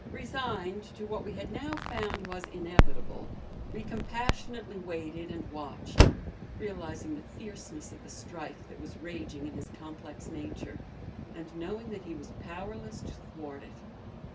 Resigned to what we had now found was inevitable we compassionately waited and watched, realizing the fierceness of the strife that was raging in his complex nature, and knowing that he was powerless to thwart it.